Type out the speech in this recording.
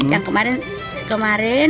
yang kemarin kemarin